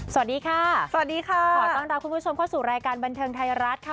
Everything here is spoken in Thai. สวัสดีค่ะสวัสดีค่ะขอต้อนรับคุณผู้ชมเข้าสู่รายการบันเทิงไทยรัฐค่ะ